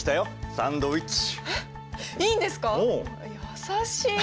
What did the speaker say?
優しい。